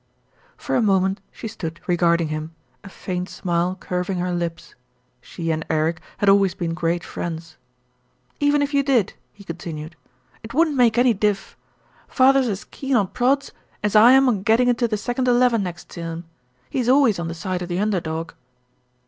For a moment she stood regarding him, a faint smile curving her lips. She and Eric had always been great friends. "Even if you did," he continued, "it wouldn't make any diff. Father's as keen on prods as I am on getting into the second eleven next term. He's always on the side of the under dog."